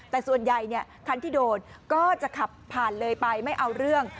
แต่ส่วนใหญ่คันที่โดนก็จะขับผ่านเลยไปไม่เอาเรื่อง